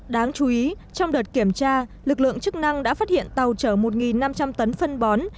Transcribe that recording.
đáng chú ý trong đợt kiểm tra lực lượng chức năng đã phát hiện tàu chở một năm trăm linh tấn phân bó